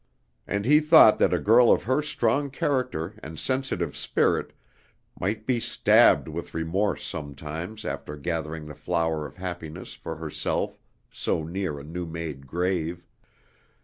And he thought that a girl of her strong character and sensitive spirit might be stabbed with remorse sometimes after gathering the flower of happiness for herself so near a new made grave.